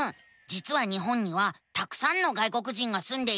じつは日本にはたくさんの外国人がすんでいるのさ。